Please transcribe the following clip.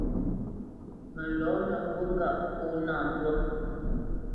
Mə lɔ̌nə ŋgút ŋgâʼ pó nâ twá.